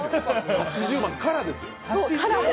８０万からですよ。